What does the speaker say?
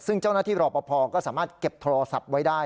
ซึ่งเจ้าหน้าที่รอปภก็สามารถเก็บโทรศัพท์ไว้ได้